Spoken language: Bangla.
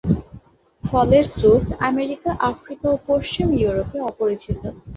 ফলের স্যুপ আমেরিকা, আফ্রিকা ও পশ্চিম ইউরোপে অপরিচিত।